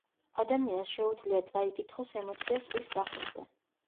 ადამიანს შეუძლია „წაიკითხოს“ ემოცია სხვის სახეზე.